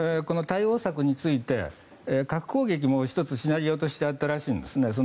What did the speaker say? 対応策について核攻撃も１つシナリオとしてあったらしいんですね。